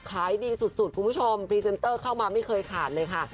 ขายดีสุดคุณผู้ชมพรีเซนเตอร์เข้ามาไม่เคยขาดเลยค่ะ